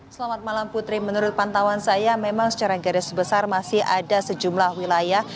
selamat malam putri menurut pantauan saya memang secara garis besar masih ada sejumlah wilayah